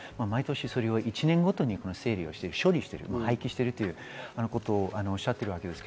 毎年、それは１年ごとに整理して処理して廃棄しているということをおっしゃっています。